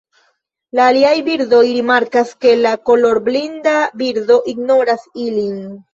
La aliaj birdoj rimarkas ke la kolorblinda birdo ignoras ilin.